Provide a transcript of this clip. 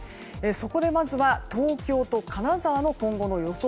そこで、まずは東京と金沢の今後の予想